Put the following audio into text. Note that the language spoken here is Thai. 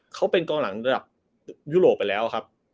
เขาเป็นกองหลังระดับยุโรปไปแล้วครับ